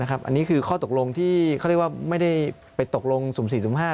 อันนี้คือข้อตกลงที่เขาเรียกว่าไม่ได้ไปตกลงสุ่ม๔สุ่มห้า